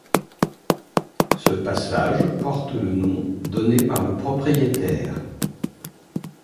Ce passage porte le nom donné par le propriétaire.